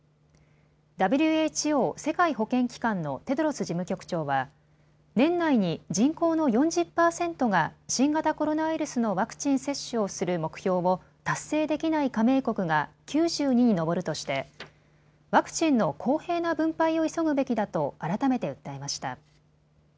ＷＨＯ・世界保健機関のテドロス事務局長は年内に人口の４０％が新型コロナウイルスのワクチン接種をする目標を達成できない加盟国が９２に上るとしてワクチンの公平な分配を急ぐべきだと改めて訴えました。